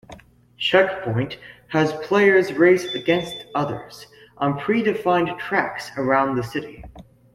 Checkpoint has players race against others on pre-defined tracks around the city.